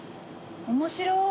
面白い。